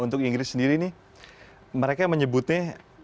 untuk inggris sendiri nih mereka menyebutnya